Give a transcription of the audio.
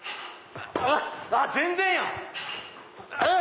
全然やん！